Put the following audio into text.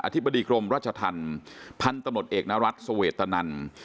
ธิบดีกรมราชธรรมพันธุ์ตำรวจเอกนรัฐสเวตนัน